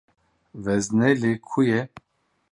Wezne li ku ye?